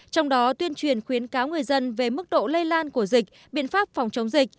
trong đó tuyên truyền khuyến cáo người dân về mức độ lây lan của dịch biện pháp phòng chống dịch